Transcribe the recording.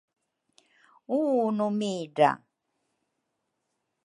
Uunu midra